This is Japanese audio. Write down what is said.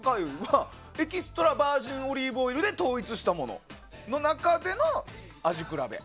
エキストラバージンオリーブオイルで統一したものの中での味比べ。